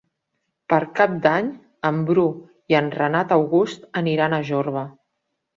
Per Cap d'Any en Bru i en Renat August aniran a Jorba.